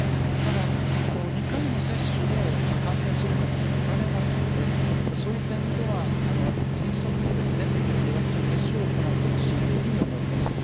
ただ、２回の接種で感染する方もおられますのでそういった意味では迅速にワクチン接種を行ってほしいと思います。